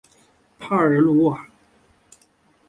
帕尔鲁瓦。